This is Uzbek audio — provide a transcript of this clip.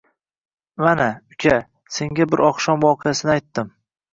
Mana, uka, senga bir oqshom voqeasini aytdim.